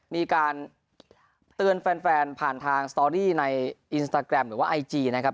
มีการเตือนแฟนผ่านทางสตอรี่ในอินสตาแกรมหรือว่าไอจีนะครับ